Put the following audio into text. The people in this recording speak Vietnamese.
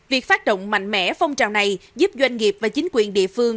việc phát động mạnh mẽ phong trào này giúp doanh nghiệp và chính quyền địa phương